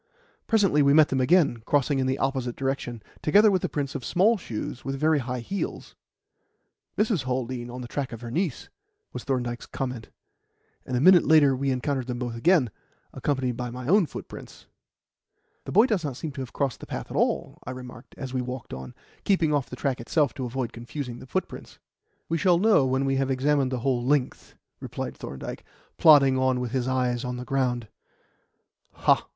Presently we met them again, crossing in the opposite direction, together with the prints of small shoes with very high heels. "Mrs. Haldean on the track of her niece," was Thorndyke's comment; and a minute later we encountered them both again, accompanied by my own footprints. "The boy does not seem to have crossed the path at all," I remarked as we walked on, keeping off the track itself to avoid confusing the footprints. "We shall know when we have examined the whole length," replied Thorndyke, plodding on with his eyes on the ground.